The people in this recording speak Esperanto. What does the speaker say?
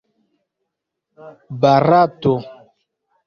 barato